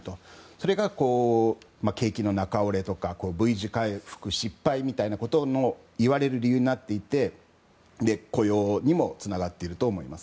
それが景気の中折れとかＶ字回復失敗みたいなことをいわれる理由になっていて雇用にもつながっていると思います。